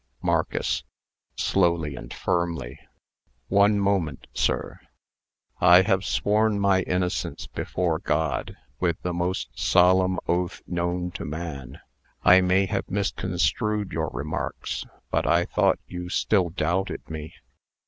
MARCUS (slowly and firmly). "One moment, sir. I have sworn my innocence before God, with the most solemn oath known to man. I may have misconstrued your remarks, but I thought you still doubted me.